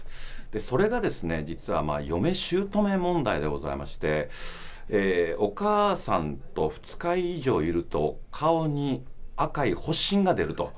それがですね、実はまあ、嫁しゅうとめ問題でございまして、おかあさんと２日以上いると顔に赤い発しんが出ると。